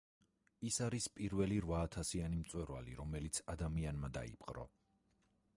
ის არის პირველი რვაათასიანი მწვერვალი, რომელიც ადამიანმა დაიპყრო.